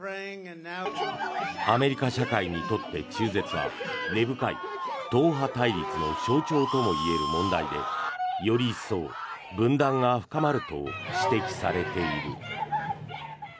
アメリカ社会にとって中絶は根深い党派対立の象徴ともいえる問題でより一層、分断が深まると指摘されている。